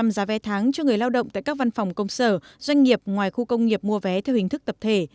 ba mươi giá vé tháng cho người lao động tại các văn phòng công sở doanh nghiệp ngoài khu công nghiệp mua vé theo hình thức tập thể